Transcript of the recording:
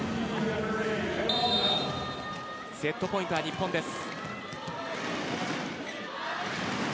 セットポイントは日本です。